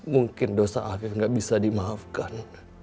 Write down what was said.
mungkin dosa akhir enggak bisa dimaafkan